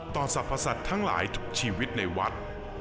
สรรพสัตว์ทั้งหลายทุกชีวิตในวัด